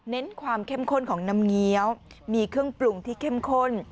ความเข้มข้นของน้ำเงี้ยวมีเครื่องปรุงที่เข้มข้น